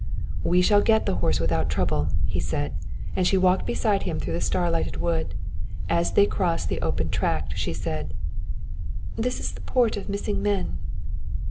"We shall get the horse without trouble," he said, and she walked beside him through the starlighted wood. As they crossed the open tract she said: "This is the Port of Missing Men."